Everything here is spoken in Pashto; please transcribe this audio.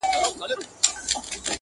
له مصنوعیت څخه را وباسو